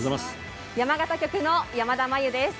山形局の山田真夕です。